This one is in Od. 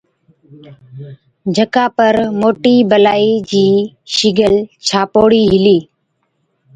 جڪا پر موٽِي بَلائِي چِي شِگل ڇاپوڙِي هِلِي۔